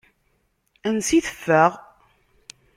Ansa i teffeɣ?